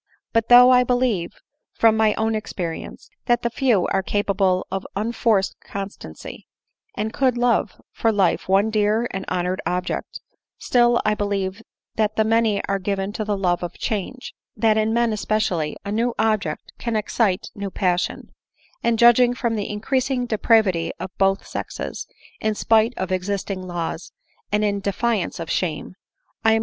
But though I believe, from my own experience, that the few are capable of unforced constancy, and could love for life one dear and honored object, still I believe that the many are given to the love of change ; that in men especially, a new object can excite new passion; and judging from the increasing depravity of both sexes, in spite of existing laws, and in defiance of shame — I am •*. r 284 ADELINE MOWBRAY.